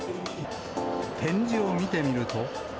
展示を見てみると。